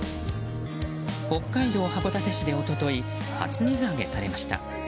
北海道函館市で一昨日初水揚げされました。